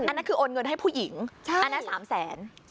อันนั้นคือโอนเงินให้ผู้หญิงอันนั้น๓แสน